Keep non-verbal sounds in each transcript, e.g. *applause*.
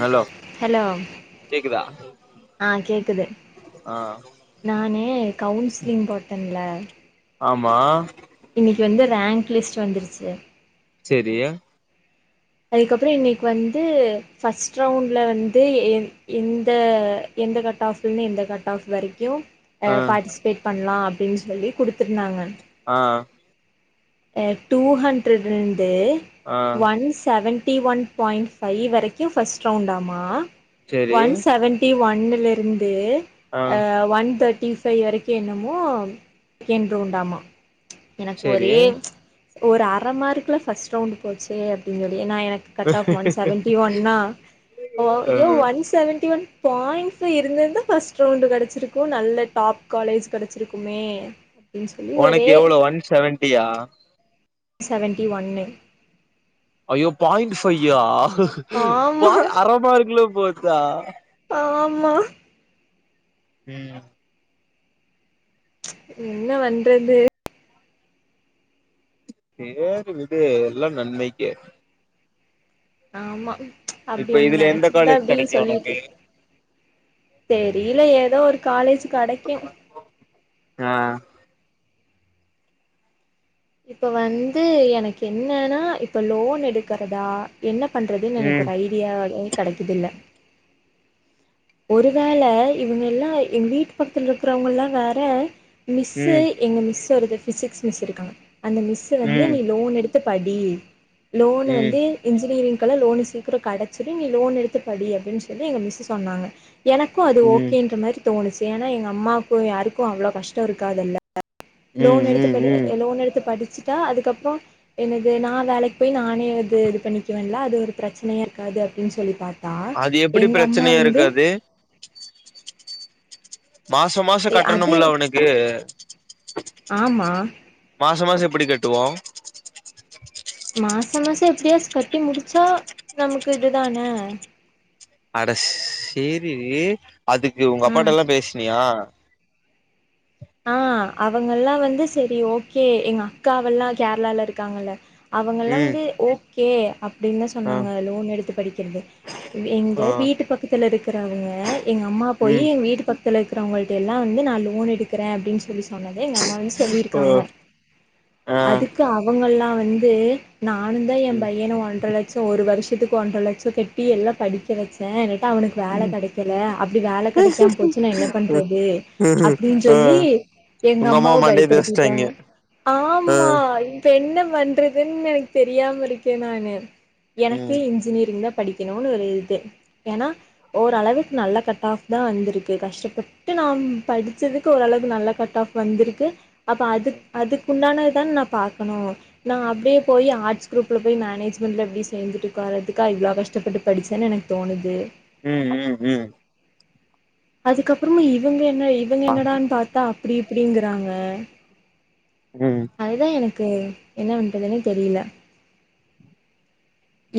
hello hello கேக்குதா ஆ கேக்குது ஆ நானு கவுன்சிலிங் போட்டேன்ல ஆமா இன்னிக்கு வந்து ரேங்க் லிஸ்ட் வந்துடுச்சு செரி அதுக்கப்புறோ இன்னைக் வந்து ஃபர்ஸ்ட் ரவுண்ட்ல வந்து எ எந்த எந்த கட் ஆஃப்ல்லே இந்த கட் ஆஃப் வரைக்கும் ஆ பார்ட்டிசிபேட் பண்லா அப்டின் சொல்லி குடுத்துருந்தாங்க ஆ அ டூ ஹண்ட்ரட்ல்ந்து ஆ one seventy one point five வரைக்கும் ஃபர்ஸ்ட் ரவுண்டாமா செரி ஒன் செவன் ட்டி ஒன்னுலருந்து ஆ அ ஒன் தேர்ட்டி ஃபைவ் வரைக்கு என்னமோ ரெண் ரவுண்டாமா எனக்கு செரி ஒரே ஆ ஒரு அர மார்க்ல ஃபர்ஸ்ட் ரவுண்ட்டு போச்சே அப்டிங்குது ஏன்னா எனக் கட் ஆஃப் ஒன் செவன்டி ஒன்னா பாயிண்ட்ஸ் இருந்திருந்தா ஃபர்ஸ்ட் ரவுண்டு் கெடச்சிருக்கு நல்ல டாப் காலேஜ் கெடச்சிருக்குமே ம் ஒனக்கு எவ்ளோ ஒன் செவன்டியா செவன்ட்டி ஒன்னு ஐயோ பாயிண்ட் ஃபையா ஆமா பாய் அர மார்க்குல போச்சா ஆமா ம் இது என்ன வண்றது நோர்ந்து விட்ரு எல்லா நன்மைக்கே ஆமா அப்டி இப்ப ஒன் இதுல எந்த நெனைச்சிருந்தா காலேஜ் ப்பீடி கெடைக்கு ஒனக்கு சொல்லிட்டு தெரியல ஏதோ ஒரு காலேஜ் கெடைக்கூ அ ஆ இப்ப வந்து எனக்கு என்னன்னா இப்ப லோன் எடுக்கிறதா என்ன பண்ணுறதுன்னு எனக்கு ம் ஒரு ஐடியாவே கிடைக்குதில்லை ஒரு வேளை இவங்க எல்லா எங்க வீட்டு பக்கத்துதில இருக்கிறவங்கல்லா வேற மிஸ்சு ம் எங்க மிஸ் ஒருதரு பிசிக்ஸ் மிஸ் இருக்காங்க அந்த மிஸ் வந்து ம் நீ லோன் எடுத்து படி லோனு வந்து ம் இன்ஜினியரிங்கெல்லா லோன் சீக்கிர கெடச்சுடு நீ லோன் எடுத்து படி அப்டின்னு சொல்லி எங்க மிஸ் சொன்னாங்க எனக் இப்போ ம் அதுஓகேன்ற மாரி தோணுச்சு ஏன்னா எங்க அம்மாக்கு யாருக்கூ அவ்ளோ கஷ்ட இருக்காதுல ம் லோன் எடுத்து ம் படி ம் லோன் எடுத்து படிச்சுட்டா அதுக்கப்புறோ என்னது நா வேலைக்கு போய் நானே அது இது பண்ணிவேன்ல அது ஒரு பிரச்சனயா இருக்காது அப்டின்னு சொல்லி பாத் அது எப்டி பிரச்சனயா இருக்காது மாச மாச அது கட்டணும்ல அவனுக்கு ஆமா மாச மாச எப்டி கட்டுவோ மாச மாச எப்படியாச் கட்டி முடிச்சா நமக்கு இதுதானே அட சேரி அதுக்கு உங்கப்பாட் டெல்லா பேசினியா ஆஹ் அவுங்கல்லா வந்து சரி ஓகே எங்க அக்காவெல்லா கேரளால இருக்காங்கல்ல அவங்கல்லா ம் வந்து ஓகே அப்டின்னு தா ஆ சொன்னாங்க லோன் எடுத்து படிக்கிறது எங்க ஆ வீட்டு பக்கத்துல இருக்கறவங்க எங்க அம்மா போய் ம் எங்க வீட்டு பக்கத் பக்தல இருக்கிறவங்ககெட்ட எல்லா வந்து நா லோன் எடுக்கிறே அப்டின் சொல்லி சொல் சொன்னதே எங்கம்மாவே ஆ சொல்லிருக்காங்க ஆ அதுக்கு அவங்கல்லா வந்து நானு தா எ ம் பையன ஒன்றரை லட்ச ஒரு வருஷத்துக்கு ஒன்றரை லட்ச கட்டி எல்லா படிக்க வச்சே என்டா அவனுக்கு வேல கெடக்கல அப்டி வேல கெடக்காம போச்சு நா என்ன பண்றது இரு அப்டின்னு சொல்லி எங்க அம்மாவ தேச்சுட்டாய்ங்க பயப்படுத்திட்டாங்க ஆ ஆமா இப் என்ன பண்றதுன் எனக்கு தெரியாம இருக்கே நானு எனக்கு ம் இன்ஜினியரிங் தா படிக் கோனனு ஒரு இது ஏனா ஓரளவுக்கு நல்ல கட் ஆஃப் தா வந்திருக்கு கஷ்டப்பட்டு நாம் படிச்சது ஓரளவுக்கு நல்லா கட் ஆஃப் வந்துருக்கு அப்ப அதுக் அதுக்கு உண்டானது தான நா பாக்கணோ நா அப்டியே போய் ஆர்ட்ஸ் குரூப்புல போயி மேனேஜ்மெண்ட்ல எப்டி சேர்ந்துட்டு உக்காரதுக்கா இவ்ளோ கஷ்டப்பட்டு படிச்சேனு எனக் தோணுது ம் ம் ம் அதுக்கப்புறமு இவங்க என்ன இவங்க என்னடானு பாத்தா அப்டி இப்டிங்கிறாங்க ம் அதுதா எனக்கு என்ன பண்ணவன்றதுனு தெரியல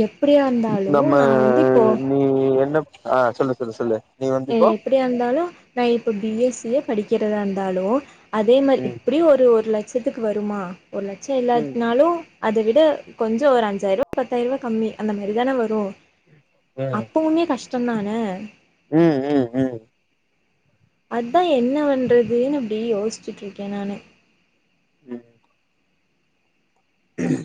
எப்டியா இருந்தாலு நம்ம நா வந்து இப்போ நீ என்ன ஆ சொல்லு சொல்லு சொல்லு நீ வந்து இப்போ எப்படியா இருந்தாலூ நா இப்ப பி எஸ் சியே படிக்கிறதா இருந்தாலும் அதே மாரி ம் எப்டி ஒரு ஒரு லட்சத்துக்கு வருமா ஒரு லட்ச ம் இல்லாத்துனாலு அத விட கொஞ்சோ ஒரு அஞ்சாயருவா பத்தாயருவா கம்மி அந்த மாரி தான வரு அப்பவுமே கஷ்டந்தான ம் ம் ம் அதா என்ன வண்றதுனு யோசிச்சுட்ருக்கே நானு ம் உம்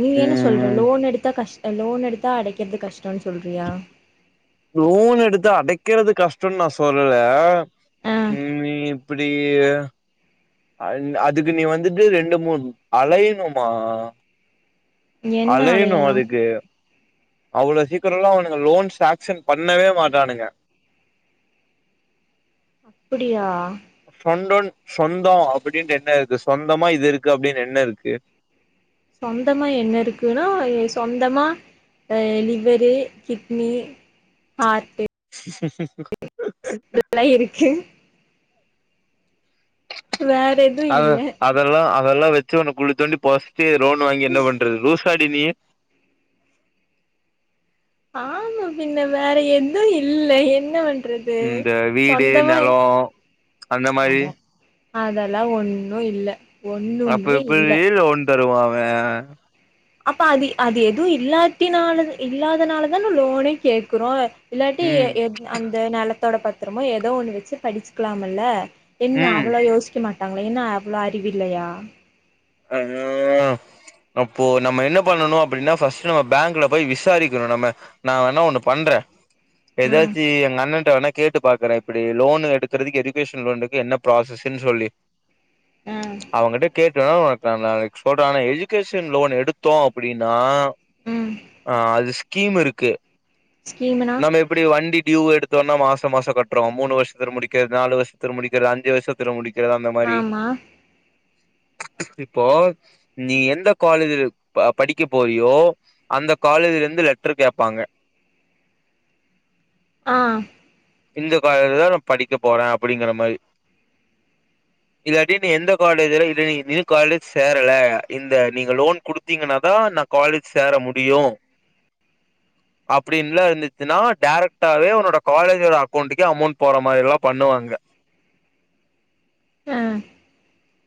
நீ என்ன சொல்ற ம் லோன் எடுத்தா கஷ்ட லோன் எடுத்தா அடைக்கறது கஷ்டோனு சொல்றியா லோன் எடுத்தா அடைக்கறது கஷ்டன் நா சொல்லல ஆ ம் இப்பிடிய அல் அதுக்கு நீ வந்துட்டு ரெண்டு மூண் அலயணுமா அலையணு அதுக்கு அவ்ளோ சீக்கரல்லா அவனுங்க லோன் சாக்ஷன் பண்ணவே மாட்டானுங்க ப்படியா சொண்டோன் சொந்தோ அப்புடின்டு என்ன இருக்கு சொந்தமா இது இருக்கு அப்டினு என்ன இருக்கு சொந்தமா என்ன இருக்குன்னா இ சொந்தமா ஏ லிவரு கிட்னி ஹார்ட்டு ச எல்லா இருக்கு வேறென் அத அதெல்லா அதெல்லா வச்சு உன்ன குழி தோண்டி பொதச்சிட்டு ரோன் வாங்கி என்ன பண்றது லூசாடி நீ ஆமா பின்ன வேற எதும் இல்ல என்ன வண் றது இந்த வீடு சொந்தமா நெலோ அந்த மாரி ஆமா அதெல்லா ஒண்ணு இல்ல அப்ப ஒண்ணுமே இல்ல எப்பிரி லோன் தருவா அவ அப்ப அதி அது எதுவு இல்லாத்தினாலது இல்லாதனாலதா லோனே கேக்குறோ இல்லாட்டி எ ம் எந் அந்த நெலத்தோட பத்ரமோ ஏதோ ஒண்ணு வச்சு படிச்சுக்கலாமில்ல என்ன ம் அவ்வளோ யோசிக்க மாட்டாங்களா என்ன அவ்வளோ அறிவில்லயா அய்யோவயோ அப்போ நம்ம என்ன பண்ணணு அப்டின்னா ஃபஸ்ட் நம்ம பேங்க்ல போய் விசாரிக்கணு நம்ம நா வேணா ஒண்ணு பண்ற ம் எதாச்சி எங்க அண்ணன்ட்ட வேணா கேட்டு பாக்கறே இப்டி லோன் எடுக்கறதுக்கு எஜுகேஷன் லோனுக்கு என்ன ப்ராசஸ்ன்னு சொல்லி அவங்கட்ட கேக்கவா நா நாளைக்கு சொல்றே ஆனா எஜுகேஷன் லோன் எடுத்தோ அப்புடின்னா ம் ஆ அது ஸ்கீம் இருக்கு ஸ்கீமுனா நம்ம எப் ப்டி வண்டி டியூ எடுத்தோனா மாச மாசோ கட்றோ மூணு வருஷத்துல முடிக்கிற நாலு வருஷத்துல முடிக்கிற அஞ்சு வருஷத் துல முடிக்கறதா அந்த மாரி ஆமா இப்போ நீ எந்த காலேஜ்ல ப படிக்க போறியோ அந்த காலேஜ்ல இருந்து லெட்ரு கேப்பாங்க ஆ இந்த காலேஜ்லதா நா படிக்க போறே அப்படிங்கிற மாரி *inaudible* இது அடின்னு எந்த காலேஜ்ல இத நீ நீ காலேஜ் சேரல இந்த நீங்க லோன் குடுத் தீங்கன்னாதா நா காலேஜ் சேர முடியு *inaudible* அப்டின்லா இருந்துத்துன்னா டேரக்டாவே உன்னோட காலே க்குற அக்கௌண்ட்க்கே அமௌண்ட் போற மாரி எல்லாம் பண்ணுவாங்க ஹ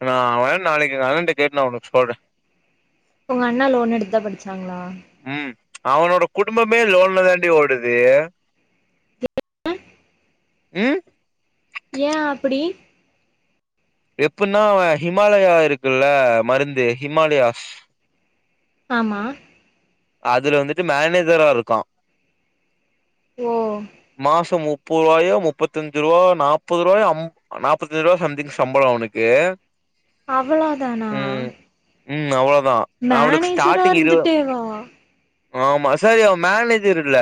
நான் வேண் நாளைக்கு நலன்ட்ட கேட்டு நா ஒனக்கு சொல்றே உங்க அண்ணா லோன் எடுத்ததா படிச்சாங்களா உம் அவனோட குடும்பமே லோன்ல தாண்டி ஓடுது *inaudible* உம் ஏ அப்டி எப்டினா ஹிமாலயா இருக்குல்ல மருந்து ஹிமாலயாஸ் ஆமா அதுல வந்துட்டு மேனேஜரா இருக்கான் ஓ மாசம் முப்ப முப்பது ரூபாயும் முப்பத்தஞ்சு ரூபாயா நாப்பது ரூபாய் ஐம் நாப்பத்தஞ்சு ரூபாய் சம்திங் சம்பளம் அவனுக்கு அவ்ளோ தானா உம் அவ்ளோதான் மேனேஜரா இருந்துட்டேவ ஆமா சேரி அவன் மேனேஜர் இல்ல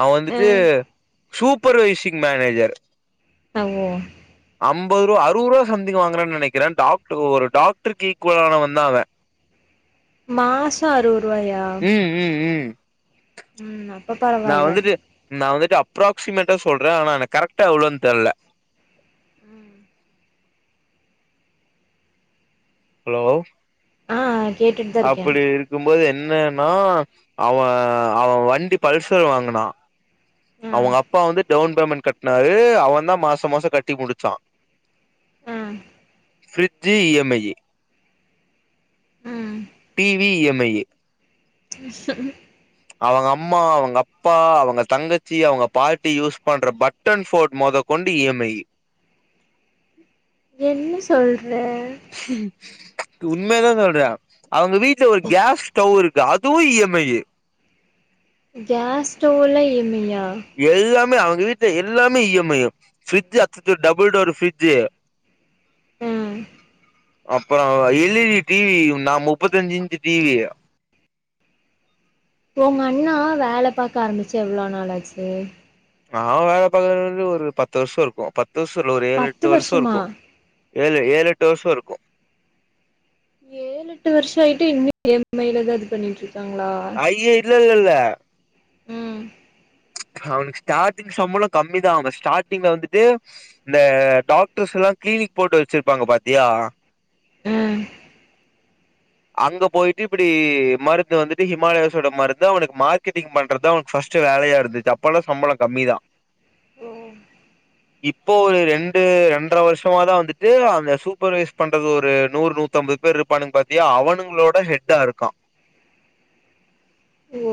அவன் அ வந்துட்டு சூப்பர்வைசிங் மேனேஜர் அங் ஐம்பது ரூபா அறுபது ரூபா சம்திங் வாங்குறான் நெனைக்கிறேன் டாக்டர் ஒரு டாக்டருக்கு ஈக்குவல்லானவன்தான் அவேன் மாசோம் அறுவரூவாயா உம் உம் உம் ம் அப்ப நா பரவால்ல வந்துட்டு நா வந்துட்டு அப்ராசிமேட்டா சொல்றேன் ஆனா கரெக்டா எவ்ளோ தெர்ல ஹலோ ஆ கேட்டுட்டு தா இருக்கே அப்டி இருக்கும்போது என்னன்னா அவன் அவன் வண்டி பல்சர் வாங்குனா ஆ அவுங்க அப்பா வந்து டவுன் பேமெண்ட் கட்னாரு அவன் தான் மாசம் மாசம் கட்டி முடிச்சான் உம் ஃபிரிட்ஜு இ எம் ஐ ம் டிவி இ எம் ஐ *inaudible* அவுங்க அம்மா அவுங்க அப்பா அவுங்க தங்கச்சி அவுங்க பாட்டி யூஸ் பண்ற பட் டன் ஃபோன் மொதக்கொண்டு இ எம் ஐ என்ன சொல்ற உண்மையதான் சொல்றேன் அவுங்க வீட்ல ஒரு கேஸ் ஸ்டவ் இருக் கு அதுவும் இ எம் ஐ கேஸ் ஸ்டவ்லாம் இ எம் ஐ யா எல்லாமே அவுங்க வீட்டு எல்லாமே இ எம் ஐ ஃபிரிட்ஜ் அத்தது டபுள் டோர் ஃபிரிட்ஜ் உம் அப்றோம் எல் ஈ டி டிவி நான் முப்பத்தஞ்சு இன்ச்சு டிவி ஒங்க அண்ணா வேலை பாக்க ஆரமிச்சு எவ்ளோ நாளாச்சி அவேன் வேலை பாக்க வந்து ஒரு பத்து வருஷம் இருக்கும் பத்து வருஷம் இல்ல ஒரு ஏழு பத்து எட்டு வருஷம் வருஷமா இருக்கும் ஏழு ஏழு எட்டு வருஷம் இருக்கு ஏழு எட்டு வருஷோம் ஆயிட்டு இன்னும் இ எம் ஐ ல தான் இது பண்ணிட்டு இருக்காங்ளா ஐய இல்ல இல்ல இல்ல உம் அவனுக்கு ஸ்டார்டிங் சம்பளம் கம்மிதான் அவன் ஸ்டார்டிங்ல வந்துட்டு இந்த டாக்டர்ஸ் எல்லாம் கிளீனிக் போட்டு வச்சிருப்பாங்க பாத்தியா ம் அங்க போய்ட்டு இப்டி மருந்து வந்துட்டு ஹிமாலயாஸோட மருந்து அவனுக்கு மார்க்கெட்டிங் பண்றத் தா ஃபஸ்ட்டு வேலையா இருந்துச்சு அப்பல்லா சம்பளோ கம்மிதா ஓ இப்போ ஒரு ரெண்டு ரெண்டர வர்ஷமா தா வந்துட்டு அந்த சூப்பர்வைஸ் பண்றது ஒரு நூறு நூத் தம்பது பேர்ருப்பானுங் பாத்தியா அவனுங்ளோட ஹெட்டா இருக்கா ஓ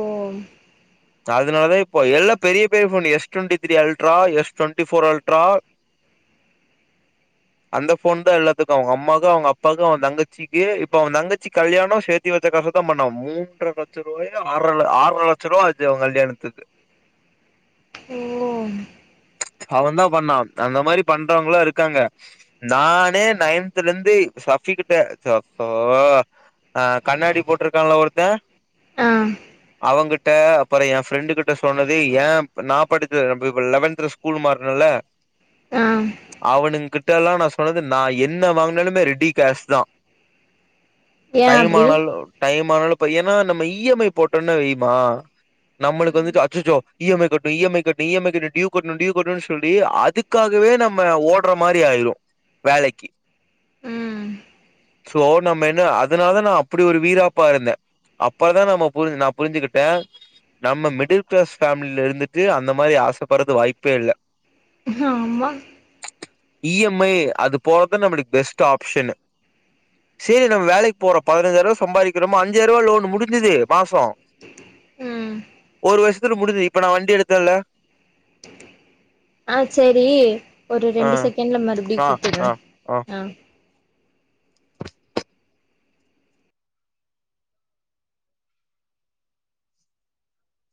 சோ அதுனால் தா இப்போ எல்லா பெரிய பெரிய phone S twenty three ultra S twenty four ultra அந்த ஃபோன் தா எல்லாத்துக்கு அவுங்க அம்மாக்கு அவுங்க அப்பாக்கு அவ தங்கச்சிக்கி இப்ப அவந்தங்கச்சி கல்யாணோ சே த்தி வச்ச காச தா பண்ணா மூன்ற லட்ச ருவாயோ ஆற்ர ல ஆற்ர லட்ச ருவா ஆ ச்சு அவ கல்யாணத்துக்கு ஓ அவ தா பண்ணா அந்த மாரி பண்றவ்ங்களா இருக்காங்க நானே நைன்த்துலுந்து சஃபி கிட்ட சஃப் ஃபோ ஆ கண்ணாடி போட்ருக்கால்ல ஒருத்த ஆ அவங்கிட்ட அப்பறோ எ ஃப்ரெண்டு கிட்ட சொன்னது ஏ நா படித்து பு பு லெவன்த்துல ஸ்கூல் மாறுனல்ல ஆ அவனுங்கிட்ட எல்லா நா சொன்னது நா என்ன வாங்குனாலுமே ரெடி கேஷ் தா ஏ அப்டி டைமானாலு டைம் ஆனாலு இப்ப ஏனா நம்ம இ எம் ஐ போட்டம்னா வெய்மா நம்மளுக்கு ம் வந்துட்டு அச்சச்சோ இ எம் ஐ கட்ணு இ எம் ஐ கட்ணு இ எம் ஐ கட்ணு ட்யூ கட்ணு ட்யூ கட்ணுன் சொல்லி அதுக் காகவே நம்ம ஓட்ற மாரி ஆய்ரு வேலைக்கி ம் சோ நம்ம என்ன அதுனால தா நா அப்டி ஒரு வீராப்பா இருந்தே அப்பறந்தா நம்ம புரி நா புரிஞ்சிகிட்டே நம்ம மிடில் கிளாஸ் ஃபேம்லில இருந்துட்டு அந்த மாரி ஆசப்பட்றது வாய்ப்பே இல்ல ஆம் இ எம் ஐ அது போறது நம்மளுக் பெஸ்ட்டு ஆப்ஷனு சேரி நம்ம வேலைக் போறோ பதினஞ்சாய்ர்ருவா சம்பாரிக்கறோமா அஞ்சாய்ர்ருவா லோனு முடிஞ்சிது மாசோ ம் ஒரு வர்ஷத்துல முடிஞ்சிது இப்ப நா வண்டி எடுத்தல்ல ஆ சேரி ஒரு ஆ ரெண்டு செகண்ட்ல மறுபடியு ஆ கூப்பிட்றே ஆ ஆ